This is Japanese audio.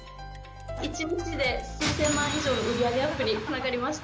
１日で数千万以上の売り上げアップにつながりました。